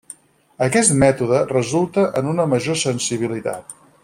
Aquest mètode resulta en una major sensibilitat.